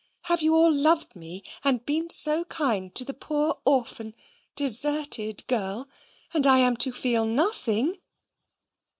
Have you all loved me, and been so kind to the poor orphan deserted girl, and am I to feel nothing?